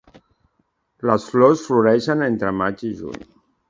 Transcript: Les flors floreixen entre maig i juny.